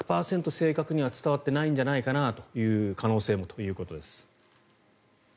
正確には伝わってないんじゃないかなという可能性もということです。